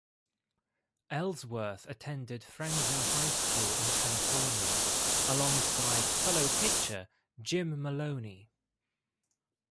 Ellsworth attended Fresno High School in California, alongside fellow pitcher Jim Maloney.